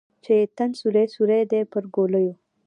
چې یې تن سوری سوری دی پر ګولیو